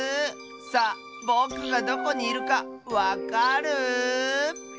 さあぼくがどこにいるかわかる？